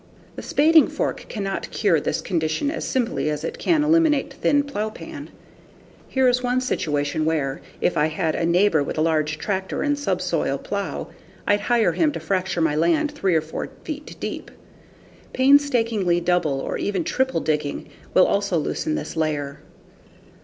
The spading fork cannot cure this condition as simply as it can eliminate thin plowpan. Here is one situation where, if I had a neighbor with a large tractor and subsoil plow, I'd hire him to fracture my land 3 or 4 feet deep. Painstakingly double or even triple digging will also loosen this layer.